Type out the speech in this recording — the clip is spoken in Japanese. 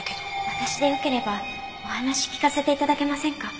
私でよければお話聞かせて頂けませんか？